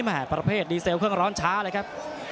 ประเภทดีเซลเครื่องร้อนช้าเลยครับ